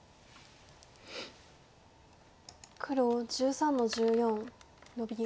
黒１３の十四ノビ。